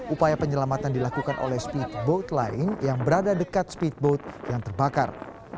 upaya penyelamatan dilakukan oleh speedboat lain yang berada dekat speedboat yang terbakar